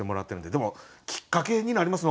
でもきっかけになりますね